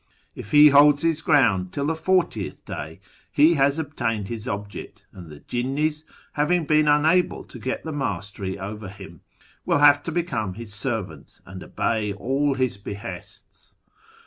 If he holds his ground till the fortieth day, he has attained his object, and the jinnis, having been unable to get the mastery over him, will have to become his servants and obey all his behests.